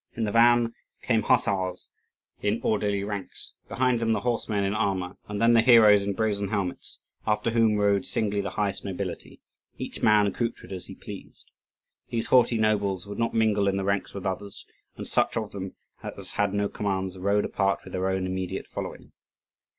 In the van came hussars in orderly ranks, behind them the horsemen in armour, and then the heroes in brazen helmets; after whom rode singly the highest nobility, each man accoutred as he pleased. These haughty nobles would not mingle in the ranks with others, and such of them as had no commands rode apart with their own immediate following.